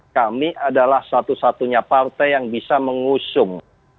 kami adalah satu satunya partai yang bisa mengusung